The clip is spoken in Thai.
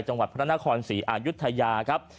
จังหวัดพัฒนะค่อนศ์ศรีอายุพายาครับ